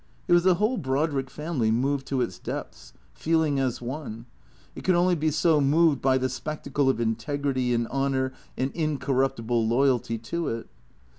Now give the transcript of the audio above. It was the whole Brodrick family moved to its depths, feeling as one. It could only be so moved by the spectacle of integrity and honour and incorruptible loyalty to It.